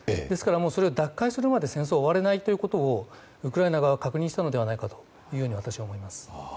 ですから、それを奪回するまで戦争、終われないということをウクライナ側は確認したのではないかと私は思います。